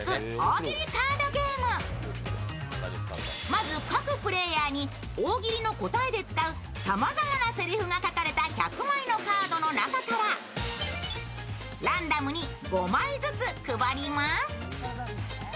まず各プレーヤーに大喜利の答えで使うさまざまなせりふが書かれた１００枚のカードの中からランダムに５枚ずつ配ります。